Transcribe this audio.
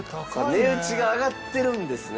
値打ちが上がってるんですね。